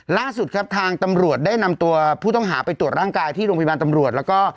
ล่าสุดครับทางตำรวจได้นำตัวผู้ต้องหาไปตรวจร่างกายที่โรงพยาบาลตำรวจแล้วก็